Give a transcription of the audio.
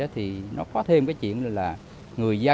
thì có thêm một chuyện nữa là người dân